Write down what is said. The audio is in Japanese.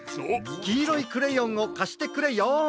きいろいクレヨンをかしてくれよん。